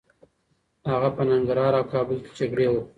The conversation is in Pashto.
هغه په ننګرهار او کابل کي جګړې وکړې.